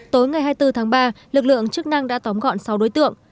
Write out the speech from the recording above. tối ngày hai mươi bốn tháng ba lực lượng chức năng đã tóm gọn sáu đối tượng